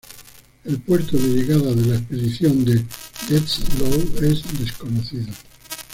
El puerto de llegada de la expedición de Dezhniov es desconocido.